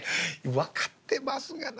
『分かってますがな